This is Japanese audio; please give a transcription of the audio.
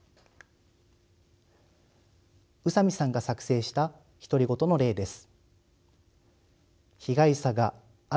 宇佐美さんが作成した独り言の例です。